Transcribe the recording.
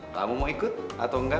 tamu mau ikut atau enggak